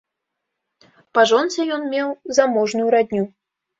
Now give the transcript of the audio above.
Па жонцы ён меў заможную радню.